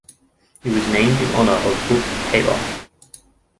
It was named in honour of Brook Taylor.